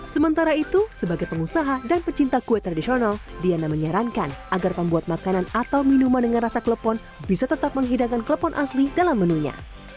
sementara itu sebagai pengusaha dan pecinta kue tradisional diana menyarankan agar pembuat makanan atau minuman dengan rasa klepon bisa tetap menghidangkan klepon asli dalam menunya